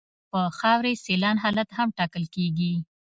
د خاورې سیلان حالت هم ټاکل کیږي